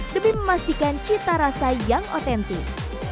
demi memastikan cita rasa yang otentik